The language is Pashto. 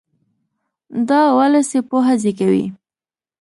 دا اولسي پوهه زېږوي.